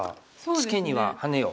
「ツケにはハネよ」。